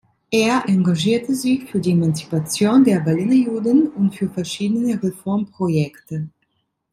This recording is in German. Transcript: Er engagierte sich für die Emanzipation der Berliner Juden und für verschiedene Reformprojekte.